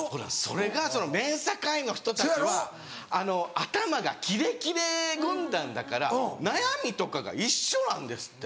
それがＭＥＮＳＡ会員の人たちは頭がキレキレ軍団だから悩みとかが一緒なんですって。